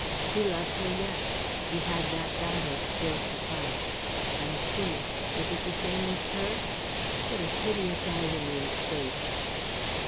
He loved her yet; he had that battle still to fight. And she was it the same with her? What a hideous irony of fate!